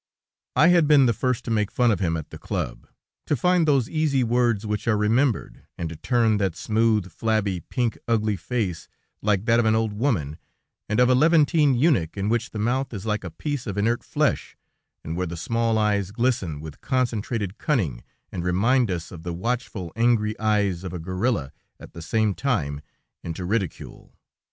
"I had been the first to make fun of him at the club, to find those easy words which are remembered, and to turn that smooth, flabby, pink, ugly face, like that of an old woman, and of a Levantine eunuch in which the mouth is like a piece of inert flesh, and where the small eyes glisten with concentrated cunning, and remind us of the watchful, angry eyes of a gorilla, at the same time, into ridicule.